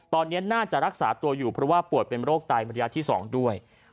ตอนนี้น่าจะรักษาตัวอยู่เพราะว่าป่วยเป็นโรคไตระยะที่๒ด้วย